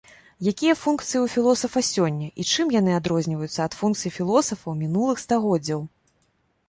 Якія функцыі ў філосафа сёння і чым яны адрозніваюцца ад функцый філосафаў мінулых стагоддзяў?